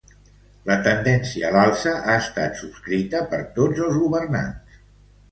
La tendència a l’alça ha estat subscrita per tots els governants.